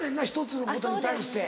１つのことに対して。